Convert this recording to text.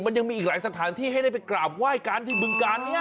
มันยังมีอีกหลายสถานที่ให้ได้ไปกราบไหว้กันที่บึงการเนี่ย